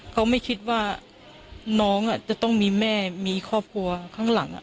เขาไม่คิดว่าน้องจะต้องมีแม่มีครอบครัวข้างหลัง